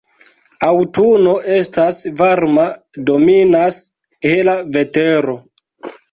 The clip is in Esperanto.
Aŭtuno estas varma, dominas hela vetero.